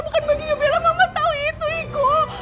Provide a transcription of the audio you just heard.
bukan bajunya bella mama tahu itu igo